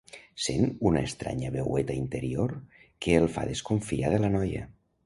Sent una estranya veueta interior que el fa desconfiar de la noia.